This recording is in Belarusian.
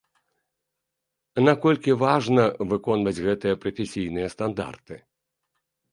Наколькі важна выконваць гэтыя прафесійныя стандарты?